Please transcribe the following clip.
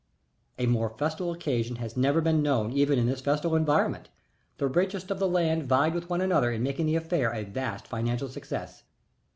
A more festal occasion has never been known even in this festal environment. The richest of the land vied with one another in making the affair a vast financial success.